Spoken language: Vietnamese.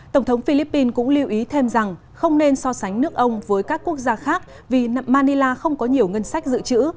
tổng thống philippines cũng lưu ý thêm rằng không nên so sánh nước ông với các quốc gia khác vì manila không có nhiều ngân sách dự trữ